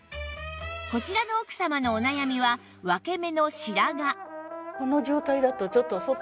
こちらの奥様のお悩みは分け目の白髪